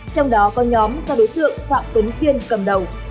trong đó có nhóm do đối tượng phạm tuấn kiên cầm đầu